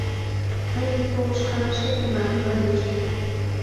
— Тыйын полышкалышет-влак ыльыч?